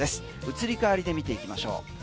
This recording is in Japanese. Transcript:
移り変わりで見ていきましょう。